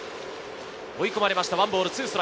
追い込まれました。